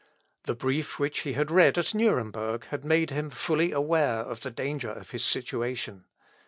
The brief which he had read at Nuremberg had made him fully aware of the danger of his situation.